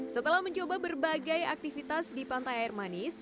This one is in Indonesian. setelah mencoba berbagai aktivitas di pantai air manis